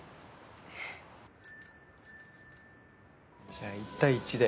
じゃあ１対１で。